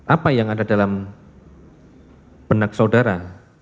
apa yang ada dalam benak saudara